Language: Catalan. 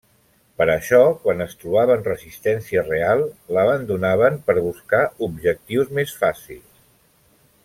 Per això quan es trobaven resistència real l'abandonaven per buscar objectius més fàcils.